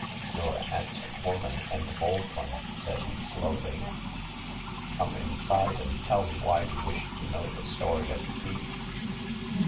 '* You're a handsome woman, and a bold one,'* said he, slowly. " Come inside, and tell me why you wish to know the story of the key."